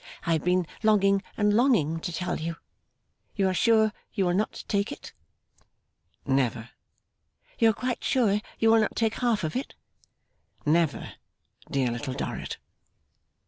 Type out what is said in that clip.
I have been longing and longing to tell you. You are sure you will not take it?' 'Never!' 'You are quite sure you will not take half of it?' 'Never, dear Little Dorrit!